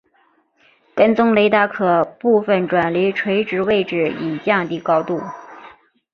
跟踪雷达可部分转离垂直位置以降低高度。